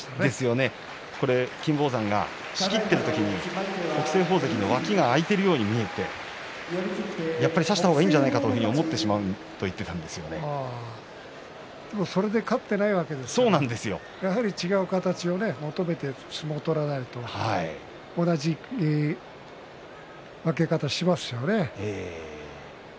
これは金峰山が仕切っている時に北青鵬関の脇が空いているように見えてやっぱり差した方がいいんじゃないかと思ってしまうでもそれで勝っていないわけですからやはり違う形を求めて相撲を取らないと同じ負け方をしますよね。